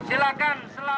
silakan selamat menit